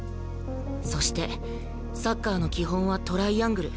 そしてサッカーの基本はトライアングル。